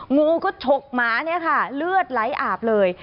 งูก็ฉกหมาเนี่ยค่ะเลือดไหลอาบเลย